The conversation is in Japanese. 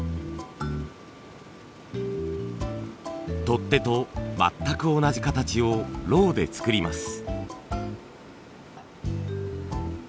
取っ手と全く同じ形をロウで作ります。